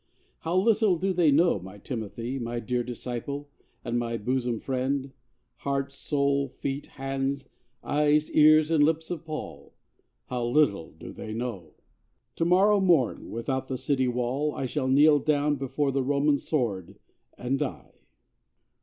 How little do they know, my Timothy, My dear disciple, and my bosom friend, Heart, soul, feet, hands, eyes, ears, and lips of Paul, How little do they know! To morrow morn Without the city wall I shall kneel down Before the Roman sword and die!